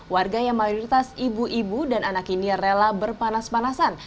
warga yang mayoritas ibu ibu dan anak ini rela berpanas panasan